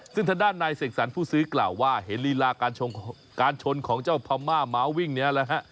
ซึ่งทางด้านนายเสกสรรผู้ซื้อกล่าวว่าเห็นลีลาการชนของเจ้าพม่าม้าวิ่งนี้แหละฮะ